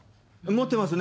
持ってますね。